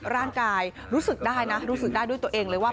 ร่างกายรู้สึกได้นะรู้สึกได้ด้วยตัวเองเลยว่า